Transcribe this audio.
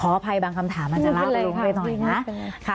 อภัยบางคำถามมันจะลากลงไปหน่อยนะ